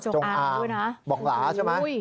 จงอางบอกหลาใช่ไหม